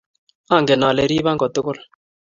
Ange ale ripon kotukul